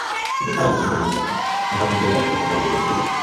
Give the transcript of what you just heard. Ticket ছাড়াও অনেকে ভ্রমণ করেছেন কম্পার্টমেন্টে দায়িত্বে থাকা লোকদের খুশি করে।